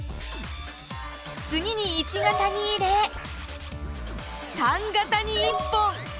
次に１型に入れ３型に１本。